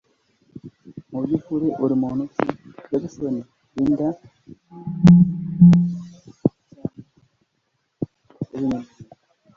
mu byukuri uri muntu ki Jackson Linda urakoze cyaaaaaane kuba ibinyemereye